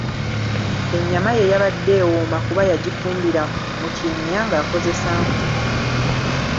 Ennyama ye yabadde ewooma kuba yagifumbira mu kinnya ng'akozesa nku.